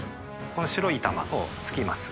この白い球を撞きます。